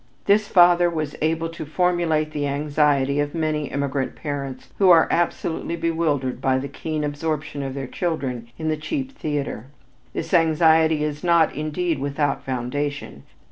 This father was able to formulate the anxiety of many immigrant parents who are absolutely bewildered by the keen absorption of their children in the cheap theater. This anxiety is not, indeed, without foundation.